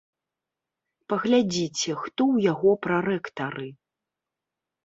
Паглядзіце, хто ў яго прарэктары.